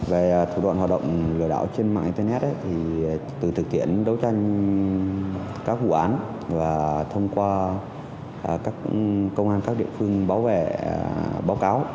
về thủ đoạn hoạt động lừa đảo trên mạng internet từ thực tiễn đấu tranh các vụ án và thông qua các công an các địa phương bảo vệ báo cáo